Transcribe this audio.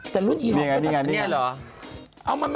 พรานตี้หน้ากาล